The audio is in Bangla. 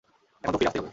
এখন তো ফিরে আসতেই হবে।